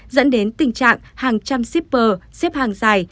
dẫn đến tình trạng hàng trăm shipper xếp hàng dài